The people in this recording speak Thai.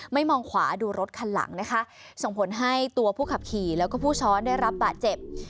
มองขวาดูรถคันหลังนะคะส่งผลให้ตัวผู้ขับขี่แล้วก็ผู้ช้อนได้รับบาดเจ็บ